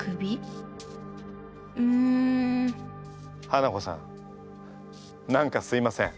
ハナコさん何かすいません。